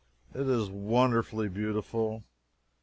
It is wonderfully beautiful!